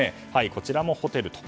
こちらもホテルと。